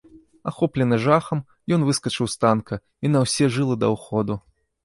Ахоплены жахам, ён выскачыў з танка і на ўсе жылы даў ходу.